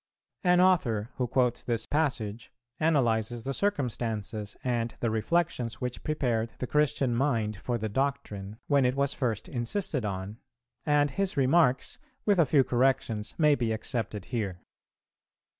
An author, who quotes this passage, analyzes the circumstances and the reflections which prepared the Christian mind for the doctrine, when it was first insisted on, and his remarks with a few corrections may be accepted here.